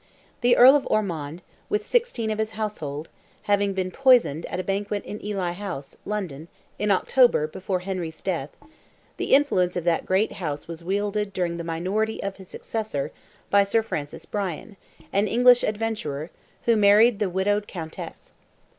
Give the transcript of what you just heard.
The Earl of Ormond, with sixteen of his household, having been poisoned at a banquet in Ely House, London, in October before Henry's death, the influence of that great house was wielded during the minority of his successor by Sir Francis Bryan, an English adventurer, who married the widowed countess.